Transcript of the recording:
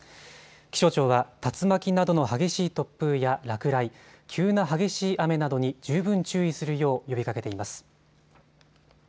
気象庁は竜巻などの激しい突風や落雷、急な激しい雨などに十分注意するよう呼びかけています。